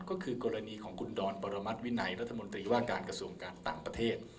ก็คือกรณีของคุณดอนประมาทวินัยว่าการกระทรวงการต่างประเทศ